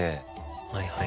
はいはい。